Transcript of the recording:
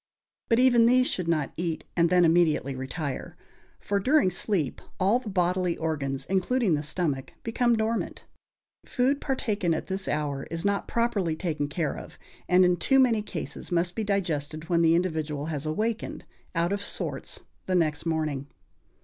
But even these should not eat and then immediately retire; for during sleep all the bodily organs, including the stomach, become dormant. Food partaken at this hour is not properly taken care of, and in too many cases must be digested when the individual has awakened, out of sorts, the next morning.